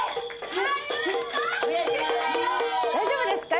大丈夫ですか？